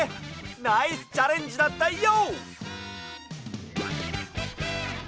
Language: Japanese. ナイスチャレンジだったＹＯ！